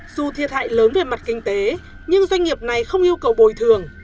dù thiệt hại lớn về mặt kinh tế nhưng doanh nghiệp này không yêu cầu bồi thường